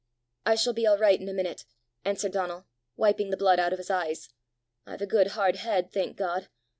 "I shall be all right in a minute!" answered Donal, wiping the blood out of his eyes. "I've a good hard head, thank God!